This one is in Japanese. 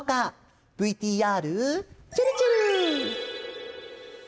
ＶＴＲちぇるちぇる！